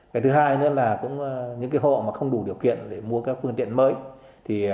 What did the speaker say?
cái thứ hai nữa là những hộ không đủ điều kiện để mua các phương tiện mới